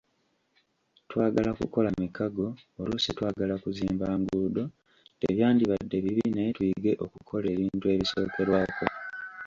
Twagala kukola mikago oluusi twagala kuzimba nguudo, tebyandibadde bibi naye tuyige okukola ebintu ebisookerwako.